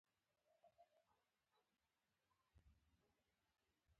فکري خوځښت د ذهن تغذیه ده.